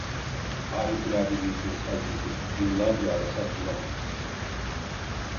Harikulade bir ses azizim, yıllarca arasak bulamayız.